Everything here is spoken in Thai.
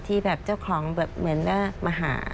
ที่แบบเจ้าของเหมือนกับมาหา